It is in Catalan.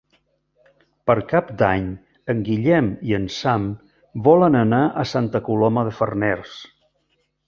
Per Cap d'Any en Guillem i en Sam volen anar a Santa Coloma de Farners.